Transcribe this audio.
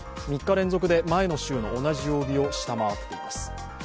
３日連続で、前の週の同じ曜日を下回っています。